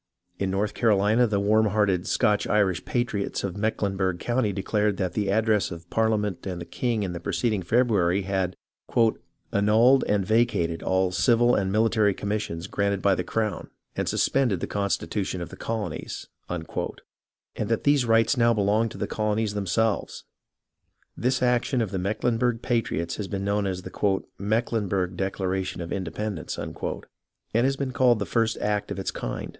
In North Carolina the warm hearted Scotch Irish patriots of Mecklenburg County declared that the address of Parliament and the King in the preceding February had " annulled and vacated all civil and military commissions granted by the Crown and sus pended the constitutions of the colonies," and that these rights now belonged to the colonies themselves. This action of the Mecklenburg patriots has been known as the 60 HISTORY OF THE AMERICAN REVOLUTION "Mecklenburg Declaration of Independence," and has been called the first act of its kind.